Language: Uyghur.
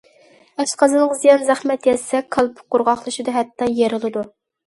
ئاشقازانغا زىيان- زەخمەت يەتسە كالپۇك قۇرغاقلىشىدۇ، ھەتتا يېرىلىدۇ.